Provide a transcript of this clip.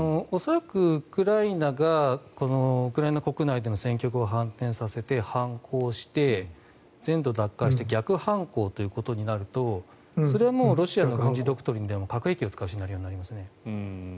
恐らく、ウクライナがウクライナ国内での戦局を反転させて反抗して、全土奪回して逆反攻ということになるとそれはロシアの軍事ドクトリンでも核兵器を使うシナリオになりますね。